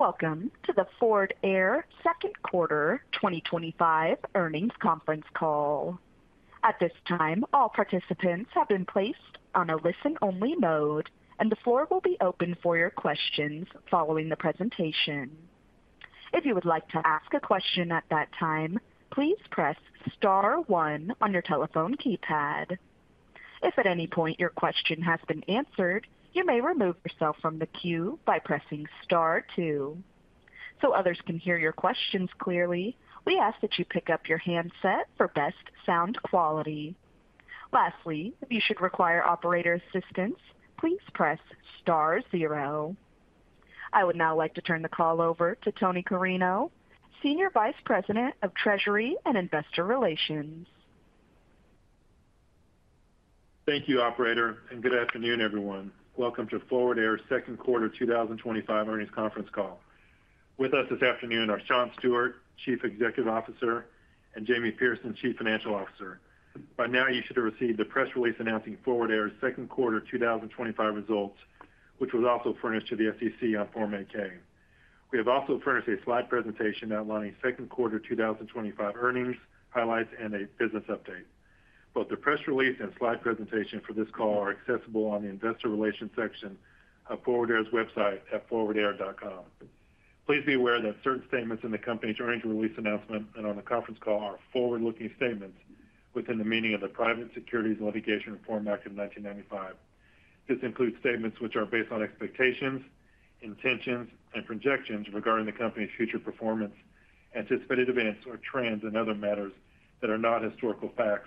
Welcome to the Forward Air Second Quarter 2025 Earnings Conference Call. At this time, all participants have been placed on a listen-only mode, and the floor will be open for your questions following the presentation. If you would like to ask a question at that time, please press star one on your telephone keypad. If at any point your question has been answered, you may remove yourself from the queue by pressing star two. To ensure others can hear your questions clearly, we ask that you pick up your handset for best sound quality. Lastly, if you should require operator assistance, please press star zero. I would now like to turn the call over to Tony Carreno, Senior Vice President of Treasury and Investor Relations. Thank you, Operator, and good afternoon, everyone. Welcome to Forward Air's Second Quarter 2025 Earnings Conference Call. With us this afternoon are Shawn Stewart, Chief Executive Officer, and Jamie Pierson, Chief Financial Officer. By now, you should have received the press release announcing Forward Air's second quarter 2025 results, which was also furnished to the SEC on Form 8-K. We have also furnished a slide presentation outlining second quarter 2025 earnings, highlights, and a business update. Both the press release and slide presentation for this call are accessible on the Investor Relations section of Forward Air's website at forwardair.com. Please be aware that certain statements in the company's earnings release announcement and on the conference call are forward-looking statements within the meaning of the Private Securities Litigation Reform Act of 1995. This includes statements which are based on expectations, intentions, and projections regarding the company's future performance, anticipated events, or trends in other matters that are not historical facts,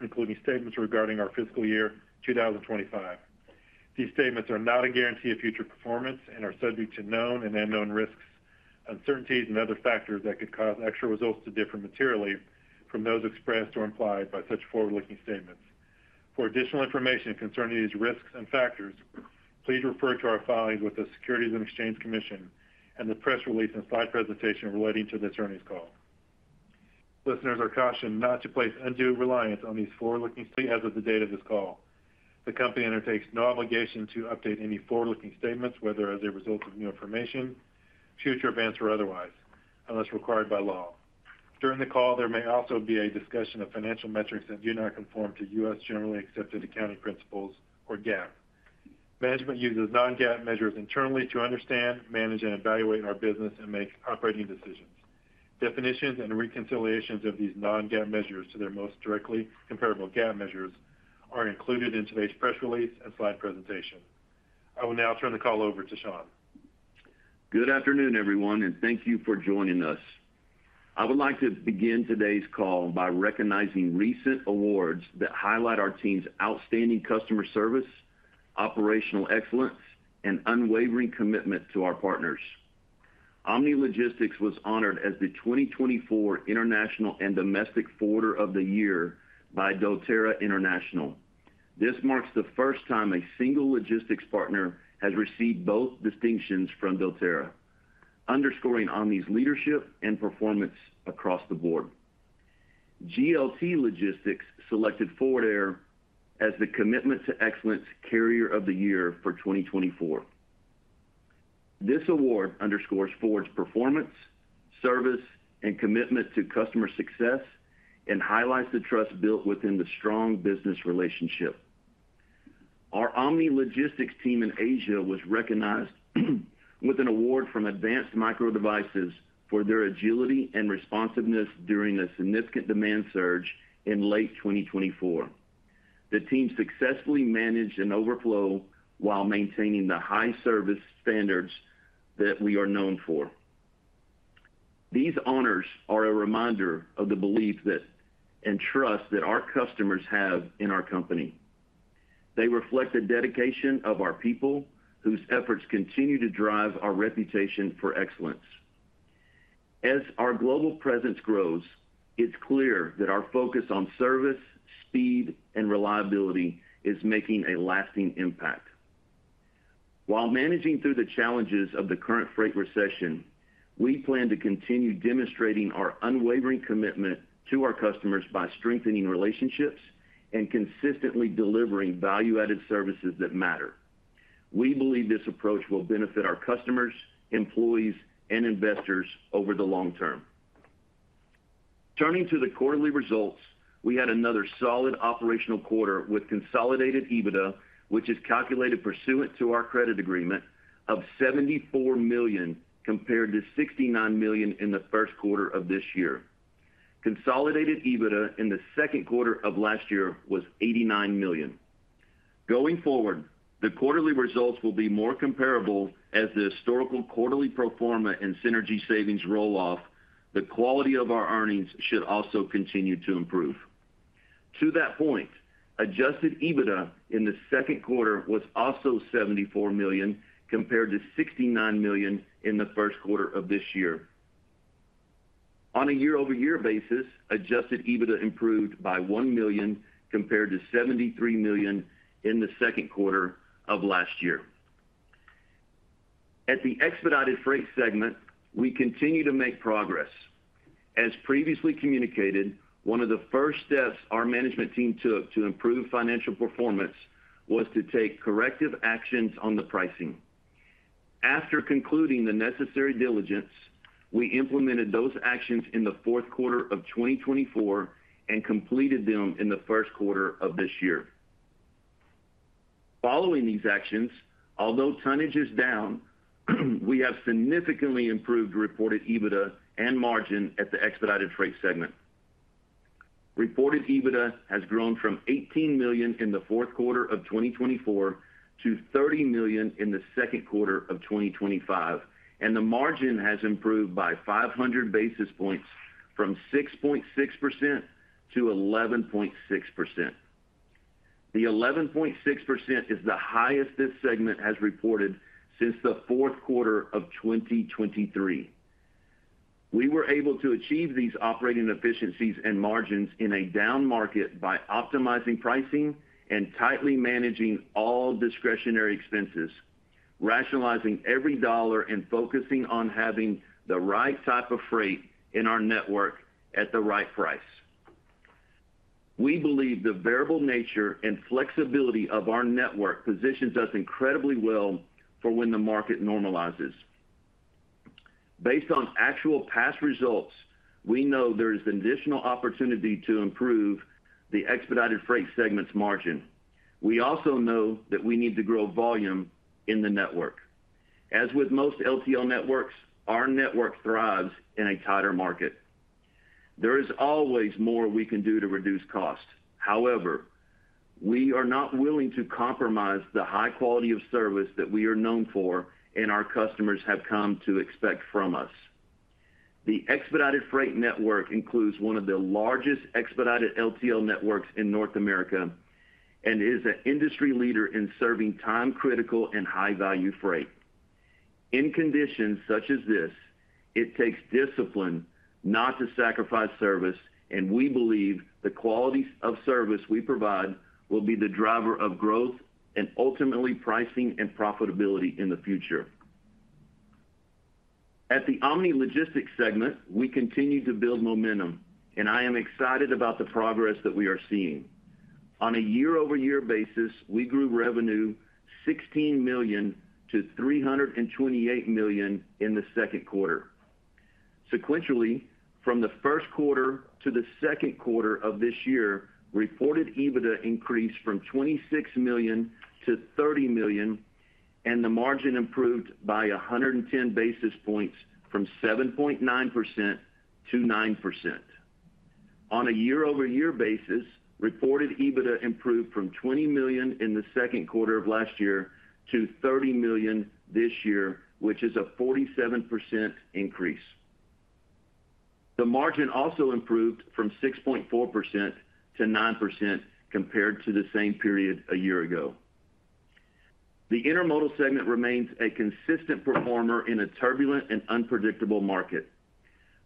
including statements regarding our fiscal year 2025. These statements are not a guarantee of future performance and are subject to known and unknown risks, uncertainties, and other factors that could cause actual results to differ materially from those expressed or implied by such forward-looking statements. For additional information concerning these risks and factors, please refer to our filing with the Securities and Exchange Commission and the press release and slide presentation relating to this earnings call. Listeners are cautioned not to place undue reliance on these forward-looking statements as of the date of this call. The company undertakes no obligation to update any forward-looking statements, whether as a result of new information, future events, or otherwise, unless required by law. During the call, there may also be a discussion of financial metrics that do not conform to U.S. generally accepted accounting principles or GAAP. Management uses non-GAAP measures internally to understand, manage, and evaluate our business and make operating decisions. Definitions and reconciliations of these non-GAAP measures to their most directly comparable GAAP measures are included in today's press release and slide presentation. I will now turn the call over to Shawn. Good afternoon, everyone, and thank you for joining us. I would like to begin today's call by recognizing recent awards that highlight our team's outstanding customer service, operational excellence, and unwavering commitment to our partners. Omni Logistics was honored as the 2024 International and Domestic Forwarder of the Year by doTERRA International. This marks the first time a single logistics partner has received both distinctions from doTERRA, underscoring Omni's leadership and performance across the board. GLT Logistics selected Forward Air as the Commitment to Excellence Carrier of the Year for 2024. This award underscores Forward Air's performance, service, and commitment to customer success and highlights the trust built within the strong business relationship. Our Omni Logistics team in Asia was recognized with an award from Advanced Micro Devices for their agility and responsiveness during a significant demand surge in late 2024. The team successfully managed an overflow while maintaining the high service standards that we are known for. These honors are a reminder of the belief and trust that our customers have in our company. They reflect the dedication of our people, whose efforts continue to drive our reputation for excellence. As our global presence grows, it's clear that our focus on service, speed, and reliability is making a lasting impact. While managing through the challenges of the current freight recession, we plan to continue demonstrating our unwavering commitment to our customers by strengthening relationships and consistently delivering value-added services that matter. We believe this approach will benefit our customers, employees, and investors over the long term. Turning to the quarterly results, we had another solid operational quarter with consolidated EBITDA, which is calculated pursuant to our credit agreement, of $74 million compared to $69 million in the First Quarter of this year. Consolidated EBITDA in the second quarter of last year was $89 million. Going forward, the quarterly results will be more comparable as the historical quarterly proforma and synergy savings roll off. The quality of our earnings should also continue to improve. To that point, adjusted EBITDA in the second quarter was also $74 million compared to $69 million in the First Quarter of this year. On a year-over-year basis, adjusted EBITDA improved by $1 million compared to $73 million in the second quarter of last year. At the expedited freight segment, we continue to make progress. As previously communicated, one of the first steps our management team took to improve financial performance was to take corrective actions on the pricing. After concluding the necessary diligence, we implemented those actions in the fourth quarter of 2024 and completed them in the First Quarter of this year. Following these actions, although tonnage is down, we have significantly improved reported EBITDA and margin at the expedited freight segment. Reported EBITDA has grown from $18 million in the fourth quarter of 2024 to $30 million in the second quarter of 2025, and the margin has improved by 500 basis points from 6.6%-11.6%. The 11.6% is the highest this segment has reported since the fourth quarter of 2023. We were able to achieve these operating efficiencies and margins in a down market by optimizing pricing and tightly managing all discretionary expenses, rationalizing every dollar, and focusing on having the right type of freight in our network at the right price. We believe the variable nature and flexibility of our network positions us incredibly well for when the market normalizes. Based on actual past results, we know there is an additional opportunity to improve the expedited freight segment's margin. We also know that we need to grow volume in the network. As with most LTL networks, our network thrives in a tighter market. There is always more we can do to reduce cost. However, we are not willing to compromise the high quality of service that we are known for and our customers have come to expect from us. The expedited freight network includes one of the largest expedited LTL networks in North America and is an industry leader in serving time-critical and high-value freight. In conditions such as this, it takes discipline not to sacrifice service, and we believe the quality of service we provide will be the driver of growth and ultimately pricing and profitability in the future. At the Omni Logistics segment, we continue to build momentum, and I am excited about the progress that we are seeing. On a year-over-year basis, we grew revenue $16 million to $328 million in the second quarter. Sequentially, from the First Quarter to the second quarter of this year, reported EBITDA increased from $26 million-$30 million, and the margin improved by 110 basis points from 7.9%-9%. On a year-over-year basis, reported EBITDA improved from $20 million in the second quarter of last year to $30 million this year, which is a 47% increase. The margin also improved from 6.4%-9% compared to the same period a year ago. The intermodal segment remains a consistent performer in a turbulent and unpredictable market.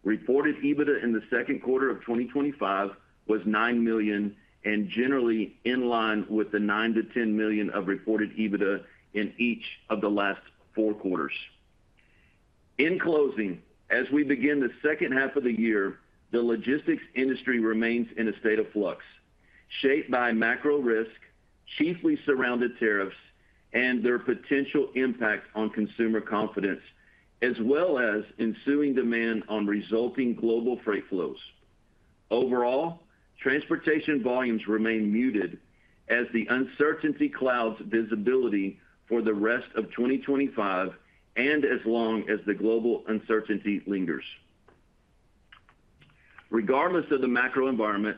Reported EBITDA in the second quarter of 2025 was $9 million and generally in line with the $9 million-$10 million of reported EBITDA in each of the last four quarters. In closing, as we begin the second half of the year, the logistics industry remains in a state of flux, shaped by macro risk, chiefly surrounding tariffs, and their potential impact on consumer confidence, as well as ensuing demand on resulting global freight flows. Overall, transportation volumes remain muted as the uncertainty clouds visibility for the rest of 2025 and as long as the global uncertainty lingers. Regardless of the macro environment,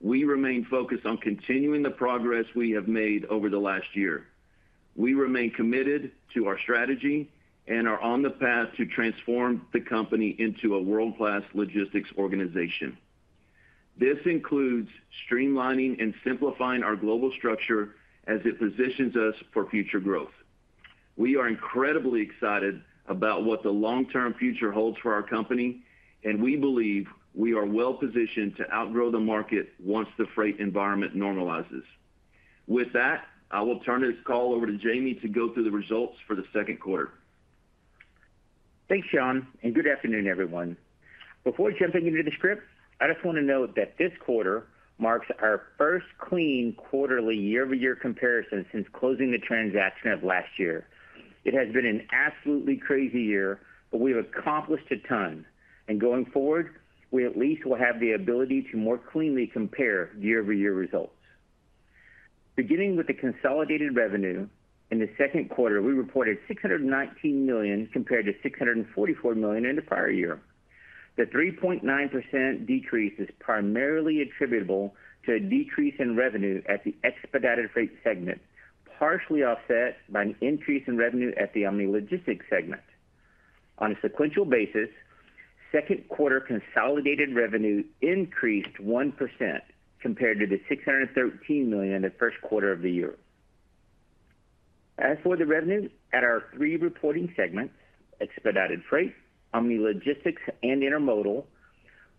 we remain focused on continuing the progress we have made over the last year. We remain committed to our strategy and are on the path to transform the company into a world-class logistics organization. This includes streamlining and simplifying our global structure, as it positions us for future growth. We are incredibly excited about what the long-term future holds for our company, and we believe we are well positioned to outgrow the market once the freight environment normalizes. With that, I will turn this call over to Jamie to go through the results for the second quarter. Thanks, Shawn, and good afternoon, everyone. Before jumping into the scripts, I just want to note that this quarter marks our first clean quarterly year-over-year comparison since closing the transaction of last year. It has been an absolutely crazy year, but we have accomplished a ton, and going forward, we at least will have the ability to more cleanly compare year-over-year results. Beginning with the consolidated revenue, in the second quarter, we reported $619 million compared to $644 million in the prior year. The 3.9% decrease is primarily attributable to a decrease in revenue at the expedited freight segment, partially offset by an increase in revenue at the Omni Logistics segment. On a sequential basis, the second quarter consolidated revenue increased 1% compared to the $613 million in the First Quarter of the year. As for the revenue at our three reporting segments: expedited freight, Omni Logistics, and intermodal,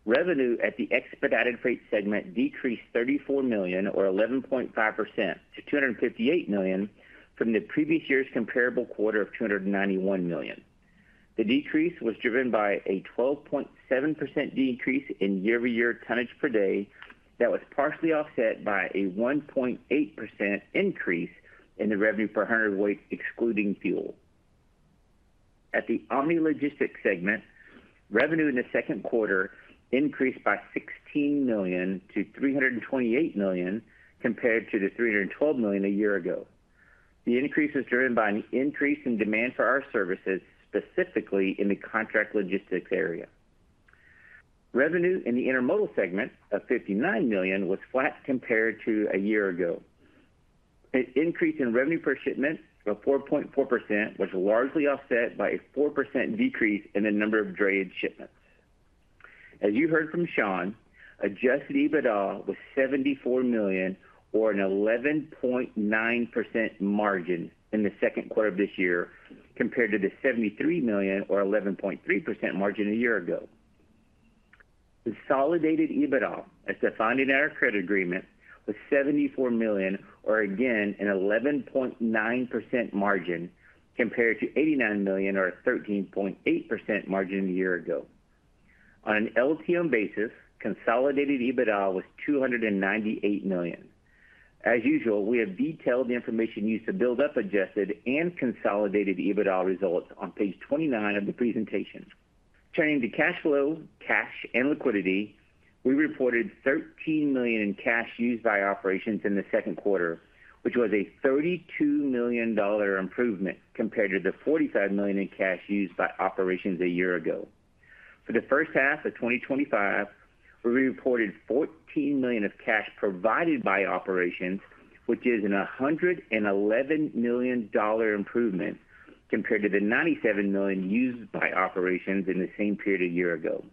revenue at the expedited freight segment decreased $34 million, or 11.5%, to $258 million from the previous year's comparable quarter of $291 million. The decrease was driven by a 12.7% decrease in year-over-year tonnage per day that was partially offset by a 1.8% increase in the revenue per hundred weight, excluding fuel. At the Omni Logistics segment, revenue in the second quarter increased by $16 million-$328 million compared to the $312 million a year ago. The increase was driven by an increase in demand for our services, specifically in the contract logistics area. Revenue in the intermodal segment of $59 million was flat compared to a year ago. An increase in revenue per shipment of 4.4% was largely offset by a 4% decrease in the number of drayage shipments. As you heard from Shawn, adjusted EBITDA was $74 million, or an 11.9% margin in the second quarter of this year, compared to the $73 million, or 11.3% margin a year ago. Consolidated EBITDA, as defined in our credit agreements, was $74 million, or again, an 11.9% margin compared to $89 million, or a 13.8% margin a year ago. On an LTM basis, consolidated EBITDA was $298 million. As usual, we have detailed the information used to build up adjusted and consolidated EBITDA results on page 29 of the presentation. Turning to cash flow, cash, and liquidity, we reported $13 million in cash used by operations in the second quarter, which was a $32 million improvement compared to the $45 million in cash used by operations a year ago. For the first half of 2025, we reported $14 million of cash provided by operations, which is a $111 million improvement compared to the $97 million used by operations in the same period a year ago.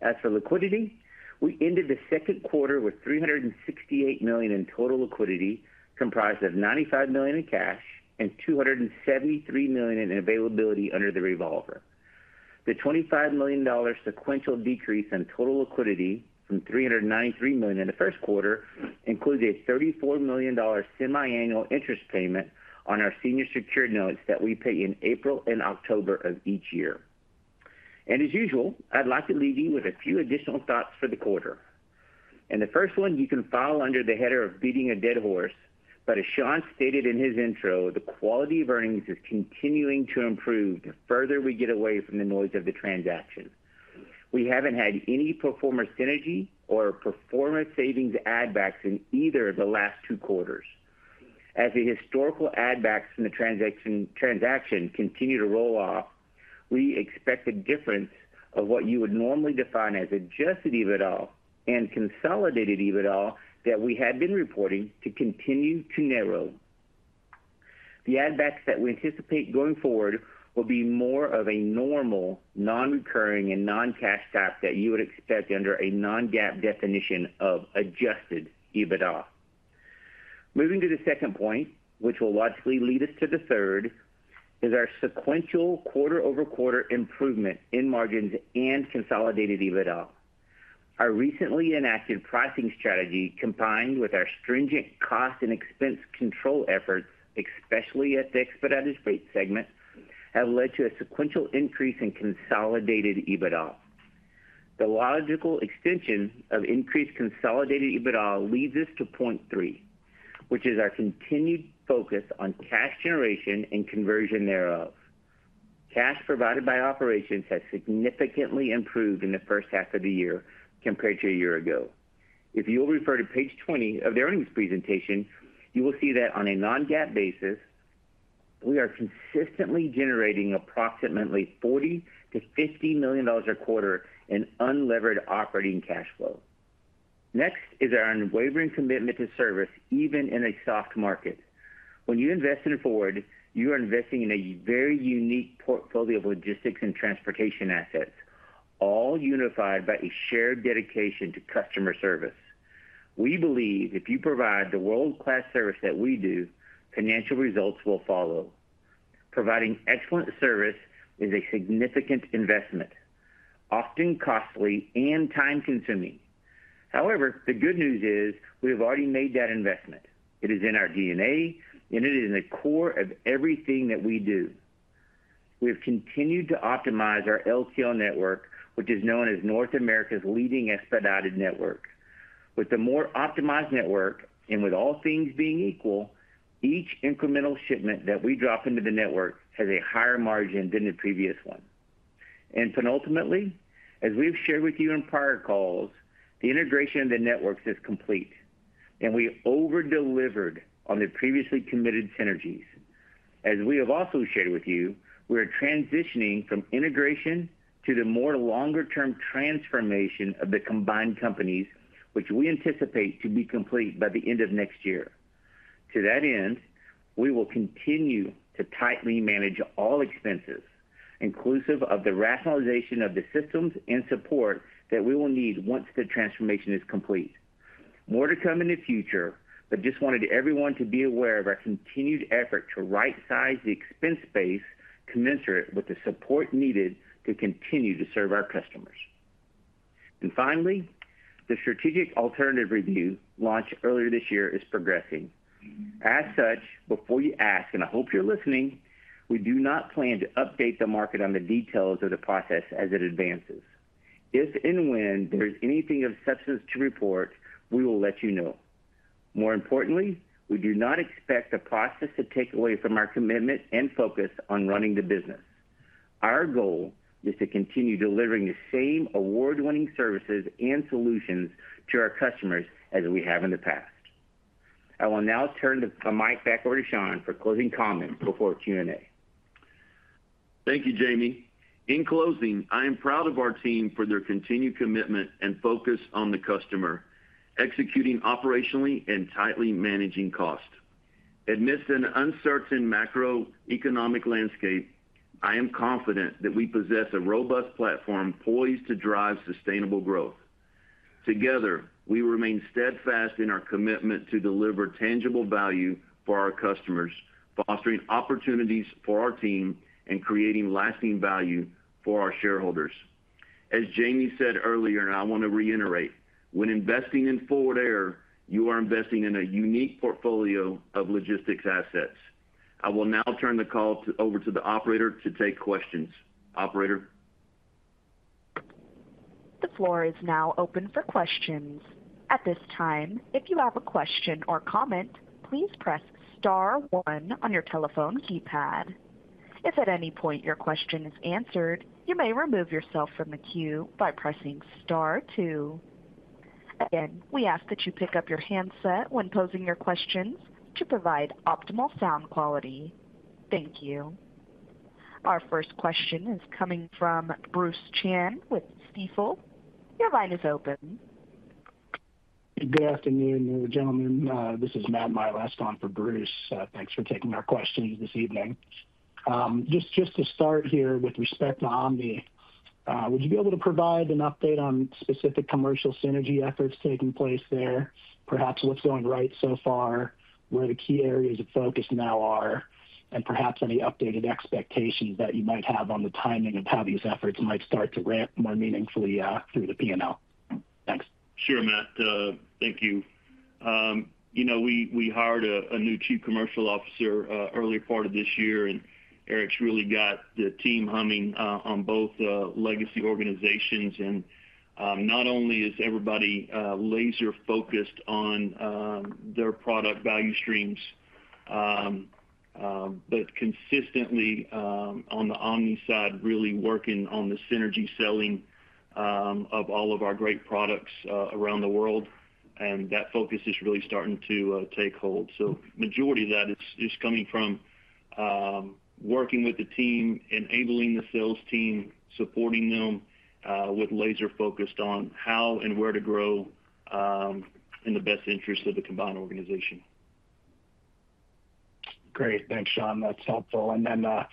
As for liquidity, we ended the second quarter with $368 million in total liquidity, comprised of $95 million in cash and $273 million in availability under the revolver. The $25 million sequential decrease in total liquidity from $393 million in the First Quarter includes a $34 million semiannual interest payment on our senior secured notes that we pay in April and October of each year. As usual, I'd like to leave you with a few additional thoughts for the quarter. The first one you can follow under the header of "Beating a Dead Horse," but as Shawn stated in his intro, the quality of earnings is continuing to improve the further we get away from the noise of the transaction. We haven't had any pro forma synergy or pro forma savings add-backs in either of the last two quarters. As the historical add-backs in the transaction continue to roll off, we expect a difference of what you would normally define as adjusted EBITDA and consolidated EBITDA that we had been reporting to continue to narrow. The add-backs that we anticipate going forward will be more of a normal, non-recurring, and non-cash cap that you would expect under a non-GAAP definition of adjusted EBITDA. Moving to the second point, which will logically lead us to the third, is our sequential quarter-over-quarter improvement in margins and consolidated EBITDA. Our recently enacted pricing strategy, combined with our stringent cost and expense control efforts, especially at the expedited freight segment, have led to a sequential increase in consolidated EBITDA. The logical extension of increased consolidated EBITDA leads us to point three, which is our continued focus on cash generation and conversion thereof. Cash provided by operations has significantly improved in the first half of the year compared to a year ago. If you'll refer to page 20 of the earnings presentation, you will see that on a non-GAAP basis, we are consistently generating approximately $40 million-$50 million a quarter in unlevered operating cash flow. Next is our unwavering commitment to service, even in a soft market. When you invest in Forward Air, you are investing in a very unique portfolio of logistics and transportation assets, all unified by a shared dedication to customer service. We believe if you provide the world-class service that we do, financial results will follow. Providing excellent service is a significant investment, often costly and time-consuming. However, the good news is we have already made that investment. It is in our DNA, and it is in the core of everything that we do. We have continued to optimize our LTL network, which is known as North America's leading expedited network. With a more optimized network, and with all things being equal, each incremental shipment that we drop into the network has a higher margin than the previous one. Penultimately, as we've shared with you in prior calls, the integration of the networks is complete, and we overdelivered on the previously committed synergies. As we have also shared with you, we are transitioning from integration to the more longer-term transformation of the combined companies, which we anticipate to be complete by the end of next year. To that end, we will continue to tightly manage all expenses, inclusive of the rationalization of the systems and support that we will need once the transformation is complete. More to come in the future, but just wanted everyone to be aware of our continued effort to right-size the expense space commensurate with the support needed to continue to serve our customers. Finally, the strategic alternatives review launched earlier this year is progressing. As such, before you ask, and I hope you're listening, we do not plan to update the market on the details of the process as it advances. If and when there's anything of substance to report, we will let you know. More importantly, we do not expect the process to take away from our commitment and focus on running the business. Our goal is to continue delivering the same award-winning services and solutions to our customers as we have in the past. I will now turn the mic back over to Shawn for closing comments before Q&A. Thank you, Jamie. In closing, I am proud of our team for their continued commitment and focus on the customer, executing operationally and tightly managing cost. Amidst an uncertain macroeconomic landscape, I am confident that we possess a robust platform poised to drive sustainable growth. Together, we remain steadfast in our commitment to deliver tangible value for our customers, fostering opportunities for our team and creating lasting value for our shareholders. As Jamie said earlier, and I want to reiterate, when investing in Forward Air, you are investing in a unique portfolio of logistics assets. I will now turn the call over to the operator to take questions. Operator? The floor is now open for questions. At this time, if you have a question or comment, please press star one on your telephone keypad. If at any point your question is answered, you may remove yourself from the queue by pressing star two. Again, we ask that you pick up your handset when posing your questions to provide optimal sound quality. Thank you. Our first question is coming from Bruce Chan with Stifel. Your line is open. Good afternoon, gentlemen. This is Matt Milask on for Bruce. Thanks for taking our questions this evening. To start here with respect to Omni, would you be able to provide an update on specific commercial synergy efforts taking place there, perhaps what's going right so far, where the key areas of focus now are, and perhaps any updated expectations that you might have on the timing of how these efforts might start to ramp more meaningfully through the P&L? Thanks. Sure, Matt. Thank you. We hired a new Chief Commercial Officer early part of this year, and Eric's really got the team humming on both legacy organizations. Not only is everybody laser-focused on their product value streams, but consistently on the Omni side, really working on the synergy selling of all of our great products around the world. That focus is really starting to take hold. The majority of that is coming from working with the team, enabling the sales team, supporting them with laser-focused on how and where to grow in the best interests of the combined organization. Great. Thanks, Shawn. That's helpful. I know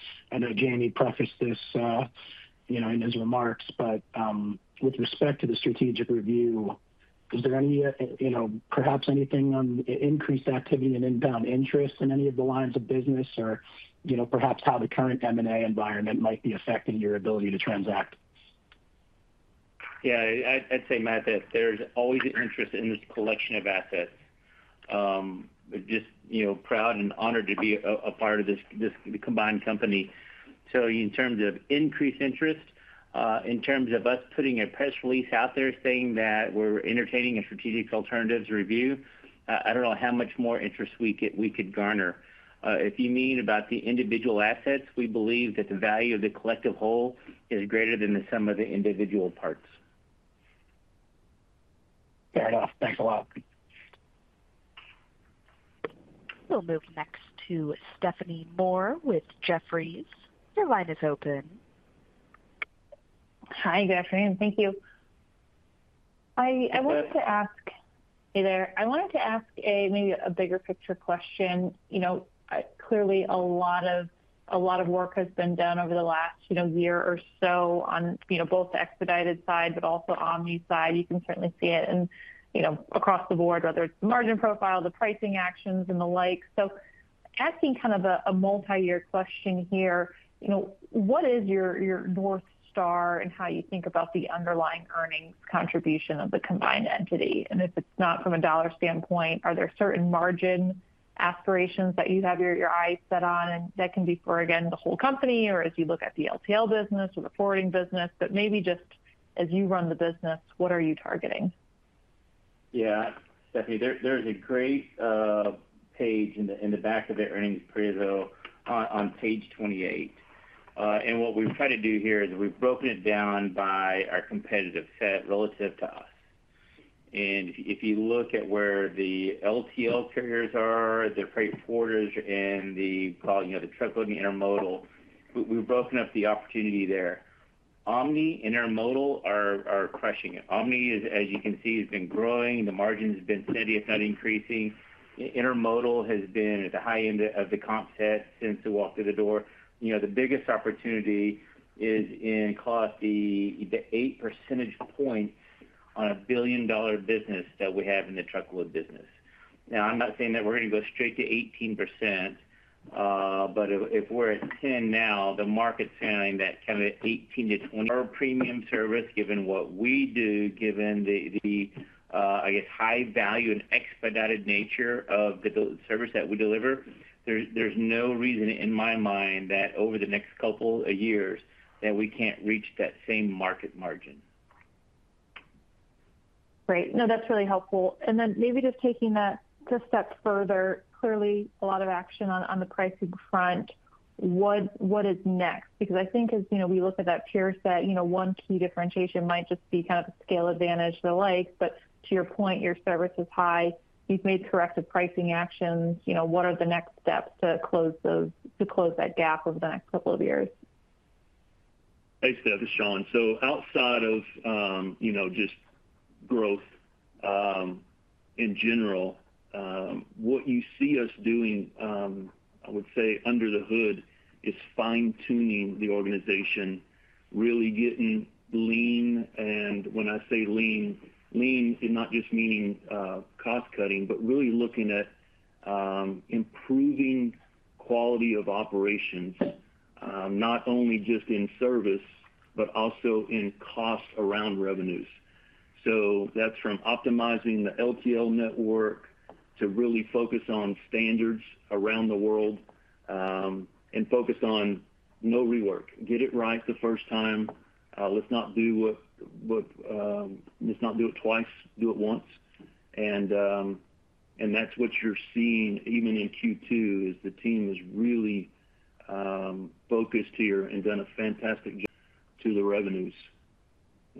Jamie prefaced this in his remarks, but with respect to the strategic review, is there anything on increased activity and inbound interest in any of the lines of business or perhaps how the current M&A environment might be affecting your ability to transact? Yeah, I'd say, Matt, that there's always an interest in this collection of assets. Just, you know, proud and honored to be a part of this combined company. In terms of increased interest, in terms of us putting a press release out there saying that we're entertaining a strategic alternatives review, I don't know how much more interest we could garner. If you mean about the individual assets, we believe that the value of the collective whole is greater than the sum of the individual parts. Fair enough. Thanks a lot. We'll move next to Stephanie Moore with Jefferies. Your line is open. Hi, good afternoon. Thank you. I wanted to ask a maybe a bigger-picture question. Clearly, a lot of work has been done over the last year or so on both the expedited side, but also Omni side. You can certainly see it across the board, whether it's the margin profile, the pricing actions, and the like. Asking kind of a multi-year question here, what is your North Star and how you think about the underlying earnings contribution of the combined entity? If it's not from a dollar standpoint, are there certain margin aspirations that you have your eyes set on? That can be for, again, the whole company or as you look at the LTL business or the forwarding business. Maybe just as you run the business, what are you targeting? Yeah, Stephanie, there's a great page in the back of the earnings prerevo on page 28. What we've tried to do here is we've broken it down by our competitive set relative to us. If you look at where the LTL carriers are, the freight forwarders, and the truckloading intermodal, we've broken up the opportunity there. Omni and intermodal are crushing it. Omni is, as you can see, has been growing. The margin has been steady, if not increasing. Intermodal has been at the high end of the comp set since we walked through the door. The biggest opportunity is in cost, the 8% point on a billion-dollar business that we have in the truckload business. Now, I'm not saying that we're going to go straight to 18%, but if we're at 10% now, the market's saying that kind of 18%-20% premium service, given what we do, given the, I guess, high value and expedited nature of the service that we deliver, there's no reason in my mind that over the next couple of years that we can't reach that same market margin. Great. No, that's really helpful. Maybe just taking that a step further, clearly a lot of action on the pricing front. What is next? I think as we look at that peer set, one key differentiation might just be kind of a scale advantage and the like. To your point, your service is high. You've made corrective pricing actions. What are the next steps to close that gap over the next couple of years? Hey, Steph, It's Shawn. Outside of, you know, just growth in general, what you see us doing, I would say, under the hood is fine-tuning the organization, really getting lean. When I say lean, lean in not just meaning cost-cutting, but really looking at improving quality of operations, not only just in service, but also in cost around revenues. That's from optimizing the LTL network to really focus on standards around the world and focused on no rework. Get it right the first time. Let's not do it twice, do it once. That's what you're seeing even in Q2. The team is really focused here and done a fantastic job to the revenues.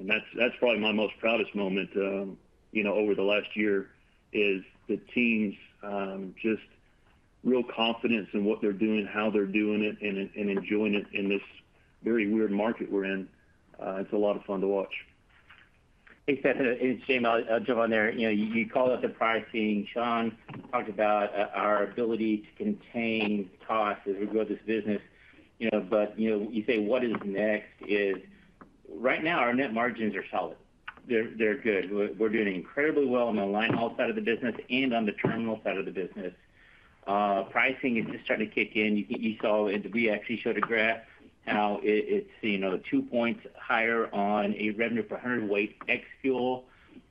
That's probably my most proudest moment, you know, over the last year is the team's just real confidence in what they're doing, how they're doing it, and enjoying it in this very weird market we're in. It's a lot of fun to watch. Hey Steph, It's Jamie, I'll jump on there. You called out the pricing. Shawn talked about our ability to contain costs as we grow this business. You say what is next is right now our net margins are solid. They're good. We're doing incredibly well on the linehaul side of the business and on the terminal side of the business. Pricing is just starting to kick in. You saw it. We actually showed a graph how it's two points higher on a revenue per hundredweight ex-fuel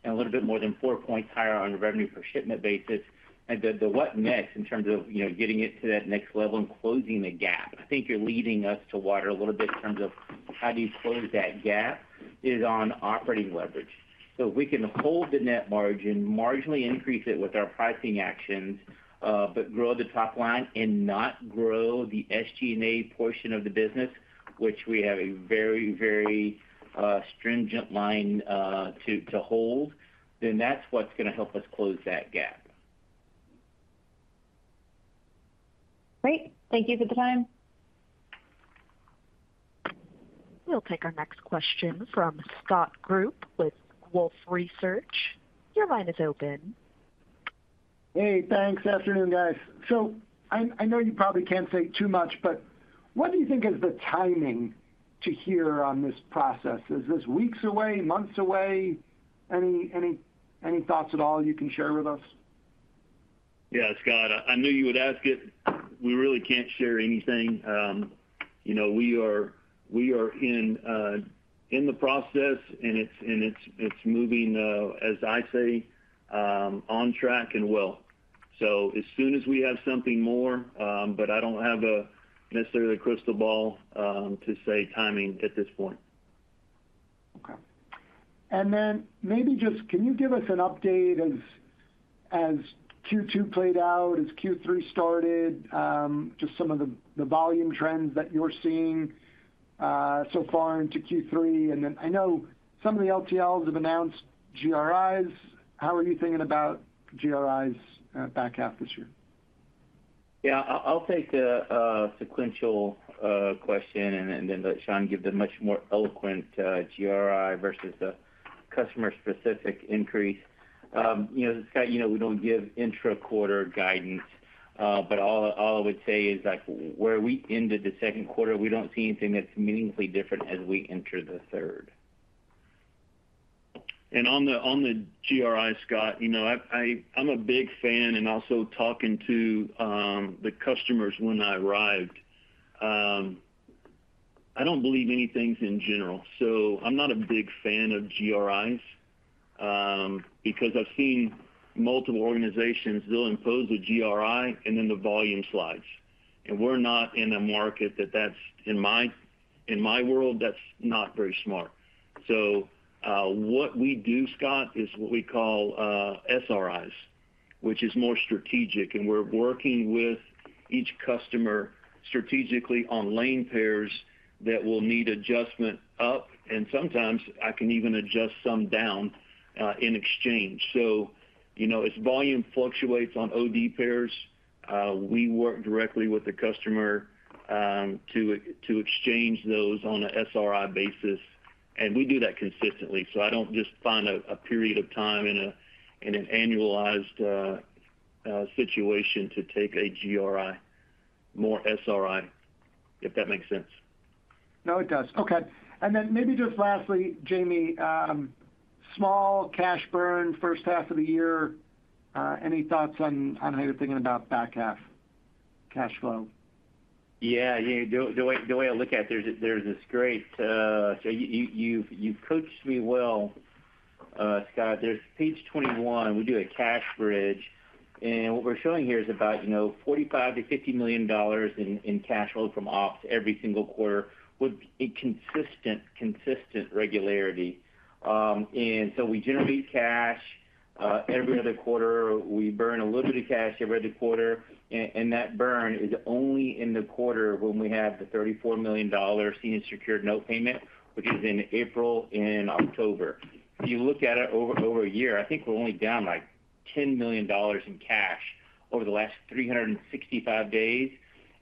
and a little bit more than four points higher on a revenue per shipment basis. The what-ifs in terms of getting it to that next level and closing the gap, I think you're leading us to water a little bit in terms of how do you close that gap is on operating leverage. If we can hold the net margin, marginally increase it with our pricing actions, but grow the top line and not grow the SG&A portion of the business, which we have a very, very stringent line to hold, then that's what's going to help us close that gap. Great. Thank you for the time. We'll take our next question from Scott Group with Wolfe Research. Your line is open. Hey, thanks. Afternoon, guys. I know you probably can't say too much, but what do you think is the timing to hear on this process? Is this weeks away, months away? Any thoughts at all you can share with us? Yeah, Scott, I knew you would ask it. We really can't share anything. We are in the process, and it's moving, as I say, on track and well. As soon as we have something more, but I don't have necessarily a crystal ball to say timing at this point. Okay. Can you give us an update as Q2 played out, as Q3 started, just some of the volume trends that you're seeing so far into Q3? I know some of the LTLs have announced GRIs. How are you thinking about GRIs back half this year? Yeah, I'll take the sequential question and then let Shawn give the much more eloquent GRI versus the customer-specific increase. You know, Scott, we don't give intra-quarter guidance, but all I would say is like where we ended the second quarter, we don't see anything that's meaningfully different as we enter the third. On the GRI, Scott, you know, I'm a big fan and also talking to the customers when I arrived. I don't believe anything's in general. I'm not a big fan of GRIs because I've seen multiple organizations impose the GRI and then the volume slides. We're not in a market that, in my world, that's not very smart. What we do, Scott, is what we call SRIs, which is more strategic. We're working with each customer strategically on lane pairs that will need adjustment up, and sometimes I can even adjust some down in exchange. If volume fluctuates on OD pairs, we work directly with the customer to exchange those on an SRI basis. We do that consistently. I don't just find a period of time in an annualized situation to take a GRI, more SRI, if that makes sense. No, it does. Okay. Maybe just lastly, Jamie, small cash burn first half of the year. Any thoughts on how you're thinking about back half cash flow? Yeah, the way I look at it, there's this great—you've coached me well, Scott. There's page 21. We do a cash bridge, and what we're showing here is about $45 million-$50 million in cash flow from off every single quarter with consistent regularity. We generate cash every other quarter. We burn a little bit of cash every other quarter, and that burn is only in the quarter when we have the $34 million senior secured note payment, which is in April and October. You look at it over a year, I think we're only down like $10 million in cash over the last 365 days.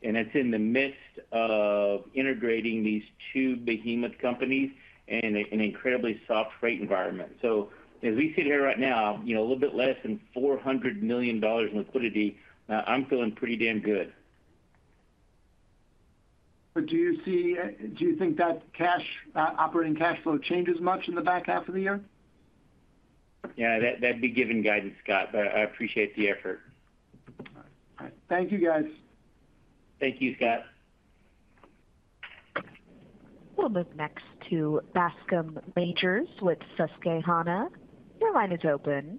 That's in the midst of integrating these two behemoth companies in an incredibly soft freight environment. As we sit here right now, a little bit less than $400 million in liquidity, I'm feeling pretty damn good. Do you think that cash operating cash flow changes much in the back half of the year? Yeah, that'd be giving guidance, Scott. I appreciate the effort. All right. Thank you, guys. Thank you, Scott. We'll move next to Bascome Majors with Susquehanna. Your line is open.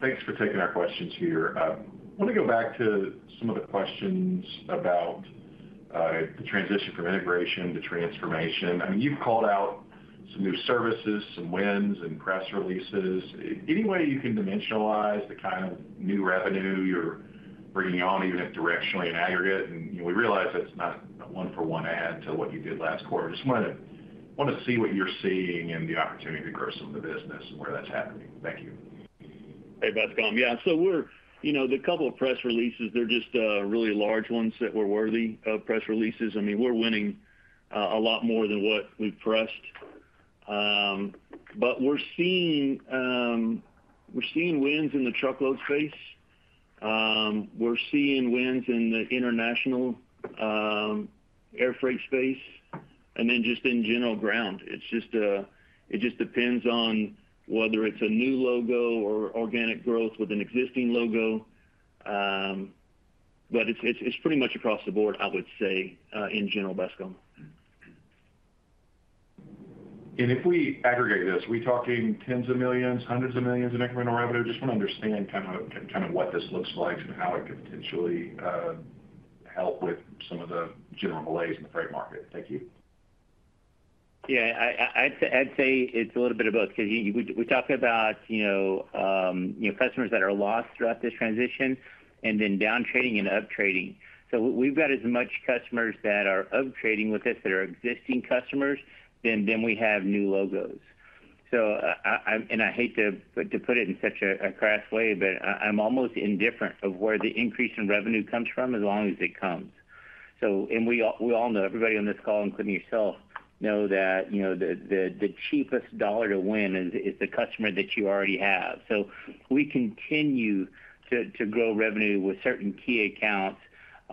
Thanks for taking our questions here. I want to go back to some of the questions about the transition from integration to transformation. You've called out some new services, some wins, and press releases. Any way you can dimensionalize the kind of new revenue you're bringing on, even directionally in aggregate? We realize that's not one-for-one add to what you did last quarter. I just want to see what you're seeing and the opportunity to grow some of the business and where that's happening. Thank you. Hey, Bascome. Yeah. The couple of press releases, they're just really large ones that were worthy of press releases. I mean, we're winning a lot more than what we pressed. We're seeing wins in the truckload space, we're seeing wins in the international air freight space, and then just in general ground. It just depends on whether it's a new logo or organic growth with an existing logo, but it's pretty much across the board, I would say, in general, Bascome. If we aggregate this, are we talking tens of millions, hundreds of millions in incremental revenue? I just want to understand what this looks like and how it could potentially help with some of the general malaise in the freight market. Thank you. Yeah, I'd say it's a little bit of both because we talk about customers that are lost throughout this transition and then down trading and up trading. We've got as much customers that are up trading with us that are existing customers than we have new logos. I'm, and I hate to put it in such a crass way, but I'm almost indifferent of where the increase in revenue comes from as long as it comes. Everybody on this call, including yourself, know that the cheapest dollar to win is the customer that you already have. We continue to grow revenue with certain key accounts,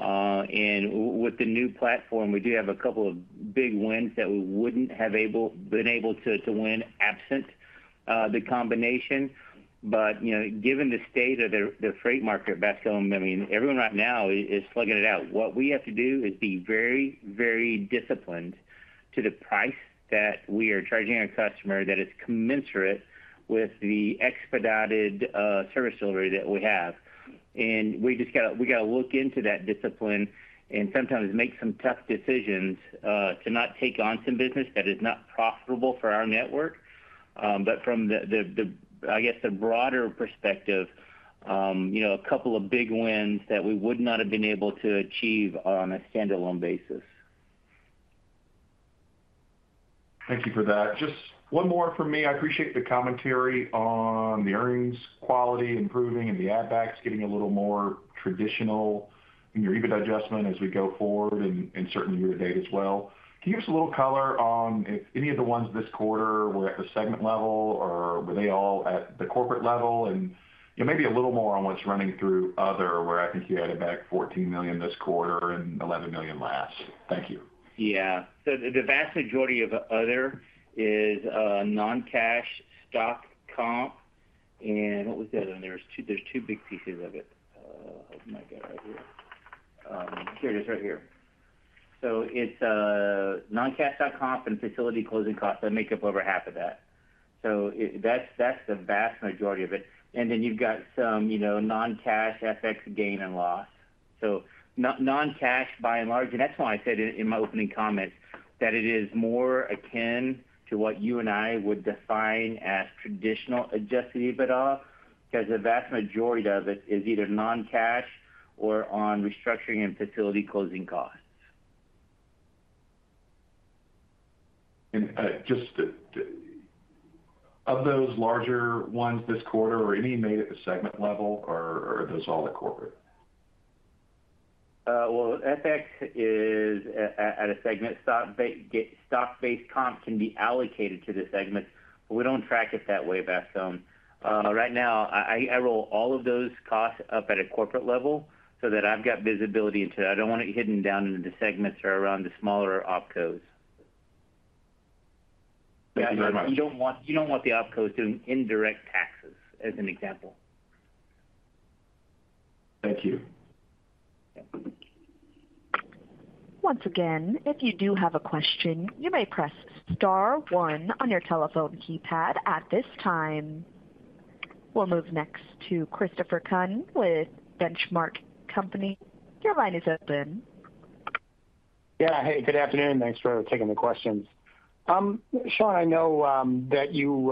and with the new platform, we do have a couple of big wins that we wouldn't have been able to win absent the combination. Given the state of the freight market, Bascome, I mean, everyone right now is slugging it out. What we have to do is be very, very disciplined to the price that we are charging our customer that is commensurate with the expedited service delivery that we have. We just got to look into that discipline and sometimes make some tough decisions to not take on some business that is not profitable for our network. From the broader perspective, a couple of big wins that we would not have been able to achieve on a standalone basis. Thank you for that. Just one more from me. I appreciate the commentary on the earnings quality improving and the add-backs getting a little more traditional in your EBITDA adjustment as we go forward and certainly year-to-date as well. Can you give us a little color on if any of the ones this quarter were at the segment level or were they all at the corporate level? Maybe a little more on what's running through other, where I think you added back $14 million this quarter and $11 million last. Thank you. Yeah. The vast majority of other is a non-cash stock comp. What was the other one? There are two big pieces of it. Here it is right here. It's a non-cash stock comp and facility closing costs that make up over half of that. That's the vast majority of it. Then you've got some non-cash FX gain and loss. Non-cash by and large, and that's why I said in my opening comments that it is more akin to what you and I would define as traditional adjusted EBITDA because the vast majority of it is either non-cash or on restructuring and facility closing costs. Of those larger ones this quarter, are any made at the segment level, or are those all at corporate? FS is at a segment. Stock-based comps can be allocated to the segments. We don't track it that way, Bascome. Right now, I roll all of those costs up at a corporate level so that I've got visibility into it. I don't want it hidden down into the segments or around the smaller opcos. Thank you very much. You don't want the opcos doing indirect taxes, as an example. Thank you. Once again, if you do have a question, you may press star one on your telephone keypad at this time. We'll move next to Christopher Kuhn with Benchmark Company. Your line is open. Yeah, hey, good afternoon. Thanks for taking the questions. Shawn, I know that you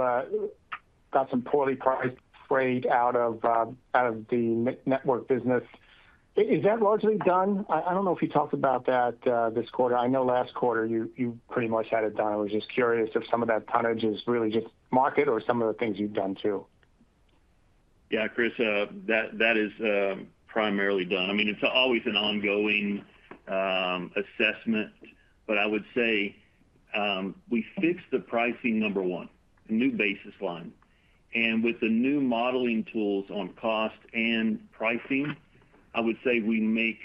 got some poorly priced freight out of the network business. Is that largely done? I don't know if you talked about that this quarter. I know last quarter you pretty much had it done. I was just curious if some of that tonnage is really just market or some of the things you've done too. Yeah, Chris, that is primarily done. I mean, it's always an ongoing assessment, but I would say we fixed the pricing, number one, new basis line. With the new modeling tools on cost and pricing, I would say we make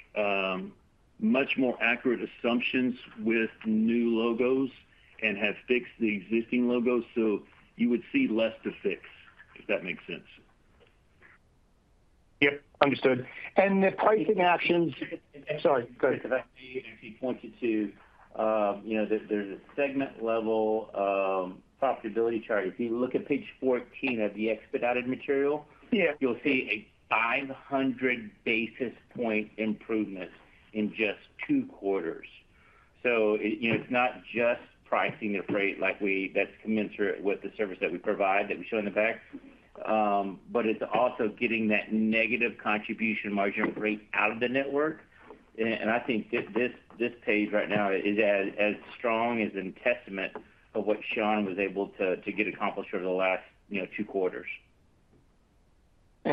much more accurate assumptions with new logos and have fixed the existing logos. You would see less to fix, if that makes sense. Yeah, understood. The pricing actions, sorry, go ahead. If you pointed to, you know, there's a segment level profitability chart. If you look at page 14 of the expedited material, you'll see a 500 basis point improvement in just two quarters. It's not just pricing their freight like we, that's commensurate with the service that we provide that we show in the back, but it's also getting that negative contribution margin break out of the network. I think that this page right now is as strong as a testament of what Shawn was able to get accomplished over the last two quarters.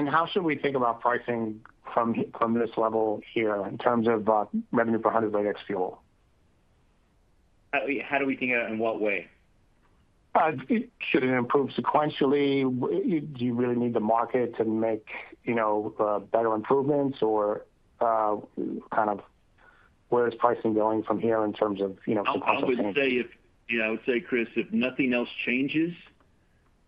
How should we think about pricing from this level here in terms of revenue per hundred weight ex-fuel? How do we think of it, in what way? Should it improve sequentially? Do you really need the market to make better improvements, or where is pricing going from here in terms of sequentially? I would say, Chris, if nothing else changes,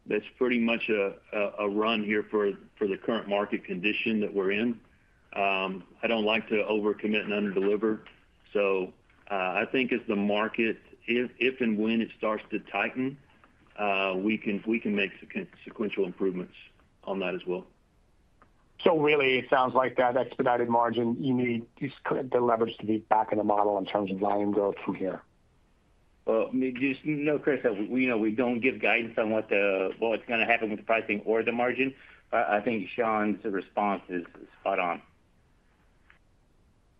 that's pretty much a run here for the current market condition that we're in. I don't like to overcommit and under-deliver. I think as the market, if and when it starts to tighten, we can make sequential improvements on that as well. It really sounds like that expedited margin, you need just the leverage to be back in the model in terms of volume growth from here. Chris, you know, we don't give guidance on what's going to happen with the pricing or the margin. I think Shawn's response is spot on.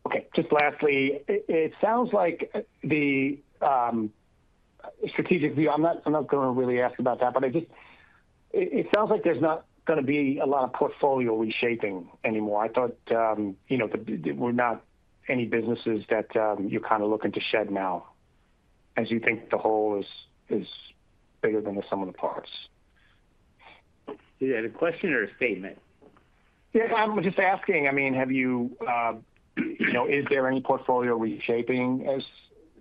Okay. Just lastly, it sounds like the strategic view, I'm not going to really ask about that, but it sounds like there's not going to be a lot of portfolio reshaping anymore. I thought, you know, there are not any businesses that you're kind of looking to shed now as you think the whole is bigger than some of the parts. Is that a question or a statement? I'm just asking, I mean, have you, you know, is there any portfolio reshaping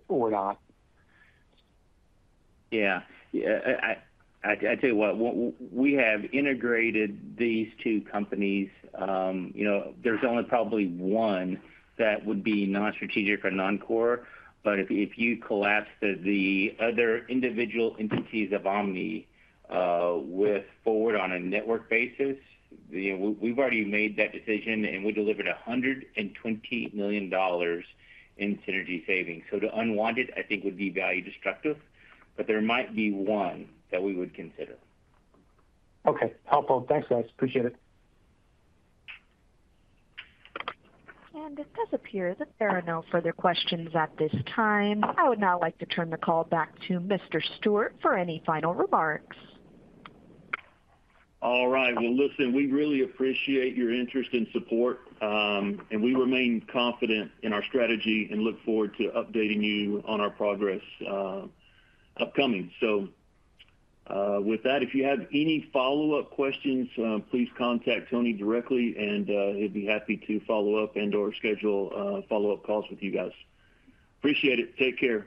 or not? Yeah. I tell you what, we have integrated these two companies. You know, there's only probably one that would be non-strategic or non-core. If you collapse the other individual entities of Omni with Forward on a network basis, you know, we've already made that decision and we delivered $120 million in synergy savings. To unwant it, I think would be value destructive, but there might be one that we would consider. Okay. Helpful. Thanks, guys. Appreciate it. There are no further questions at this time. I would now like to turn the call back to Mr. Stewart for any final remarks. All right. We really appreciate your interest and support, and we remain confident in our strategy and look forward to updating you on our progress, upcoming. If you have any follow-up questions, please contact Tony directly, and he'll be happy to follow up and/or schedule follow-up calls with you guys. Appreciate it. Take care.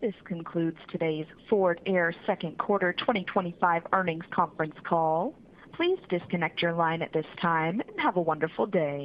This concludes today's Forward Air second quarter 2025 earnings conference call. Please disconnect your line at this time and have a wonderful day.